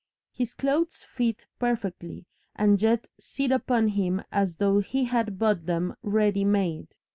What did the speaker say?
His clothes fit perfectly and yet sit upon him as though he had bought them ready made.